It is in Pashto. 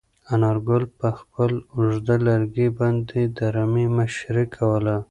انارګل په خپل اوږد لرګي باندې د رمې مشري کوله.